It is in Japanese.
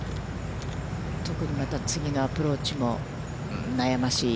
特にまた、次のアプローチも悩ましい。